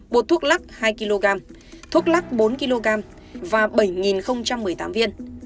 bột thuốc lắc hai kg thuốc lắc bốn kg và bảy một mươi tám viên